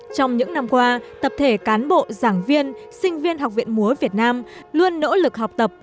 trong những năm qua tập thể cán bộ giảng viên sinh viên học viện múa việt nam luôn nỗ lực học tập